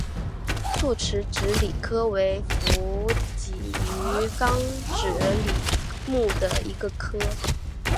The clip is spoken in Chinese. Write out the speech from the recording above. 复齿脂鲤科为辐鳍鱼纲脂鲤目的一个科。